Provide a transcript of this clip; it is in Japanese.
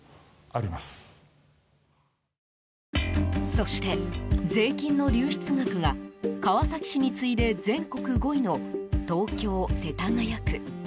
そして、税金の流出額が川崎市に次いで全国５位の東京・世田谷区。